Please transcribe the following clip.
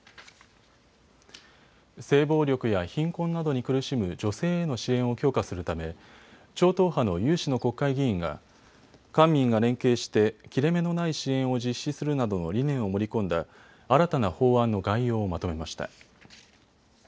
性暴力や貧困などに苦しむ女性への支援を強化するため超党派の有志の国会議員が官民が連携して切れ目のない支援を実施するなどの理念を盛り込んだ新たな法案の概要をまとめました。